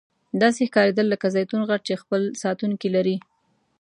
داسې ښکاریدل لکه زیتون غر چې خپل ساتونکي لري.